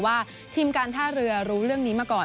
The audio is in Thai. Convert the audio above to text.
ว่าทีมการท่าเรือรู้เรื่องนี้มาก่อน